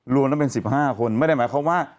รวมแล้วเป็น๑๕คนไม่ได้หมายความว่า